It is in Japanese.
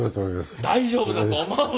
大丈夫だと思う。